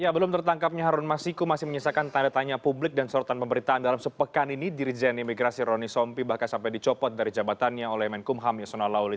belum tertangkapnya harun masiku masih menyisakan tanda tanya publik dan sorotan pemberitaan dalam sepekan ini dirijen imigrasi roni sompi bahkan sampai dicopot dari jabatannya oleh menkumham yasona lauli